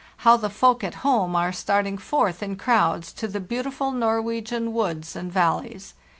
how the folk at home are starting forth in crowds to the beautiful Norwegian woods and valleys!